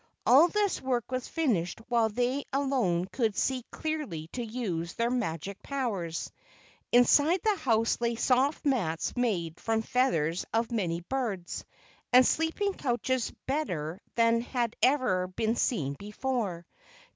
All this work was finished while they alone could see clearly to use their magic powers. Inside the house lay soft mats made from feath¬ ers of many birds, and sleeping couches better than had ever been seen before.